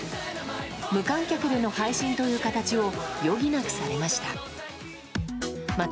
無観客での配信という形を余儀なくされました。